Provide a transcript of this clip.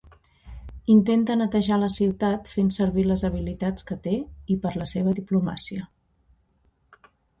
Intenta netejar la ciutat fent servir les habilitats que té i per la seva diplomàcia.